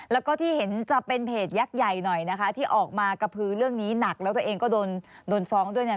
แล้วก็ที่เห็นจะเป็นเพจยักษ์ใหญ่หน่อยนะคะที่ออกมากระพือเรื่องนี้หนักแล้วตัวเองก็โดนโดนฟ้องด้วยเนี่ย